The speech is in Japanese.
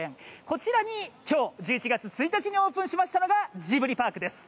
こちらに今日、１１月１日にオープンしましたのが、ジブリパークです。